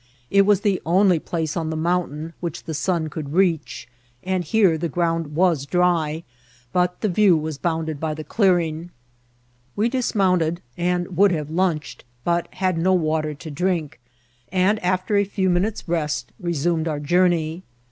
It was the only place on the mountain which the sun could reach, and here the ground was dry; but the view was bounded by the clearing. We dismounted, and would have lunched, but had no water to drink ; and, after a few minutes'«Te8t, re 46 INCIDBNT8 OF TEATEL. > snmed our journey.